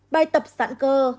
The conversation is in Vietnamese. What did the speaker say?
bài tập giãn cơ